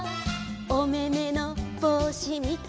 「おめめのぼうしみたいだよ」